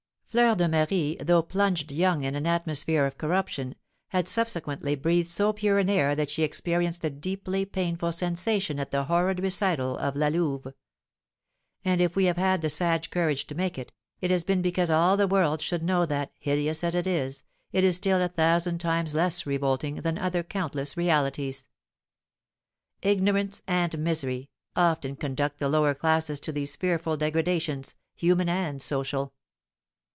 Fleur de Marie, though plunged young in an atmosphere of corruption, had subsequently breathed so pure an air that she experienced a deeply painful sensation at the horrid recital of La Louve. And if we have had the sad courage to make it, it has been because all the world should know that, hideous as it is, it is still a thousand times less revolting than other countless realities. Ignorance and misery often conduct the lower classes to these fearful degradations, human and social.